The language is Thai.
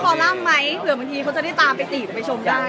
มีชื่อคอลัมม์ไหมเผื่อเหมาะทีเขาซื้อตามไปตี๊กไปชมได้